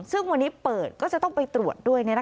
ซึ่งวันนี้เปิดก็จะต้องไปตรวจด้วย